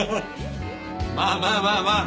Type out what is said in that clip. まあまあまあまあ。